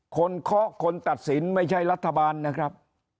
เคาะคนตัดสินไม่ใช่รัฐบาลนะครับ